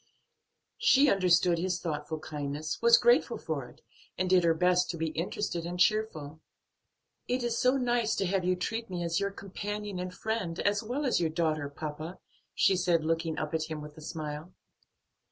She understood his thoughtful kindness, was grateful for it, and did her best to be interested and cheerful. "It is so nice to have you treat me as your companion and friend as well as your daughter, papa," she said, looking up at him with a smile.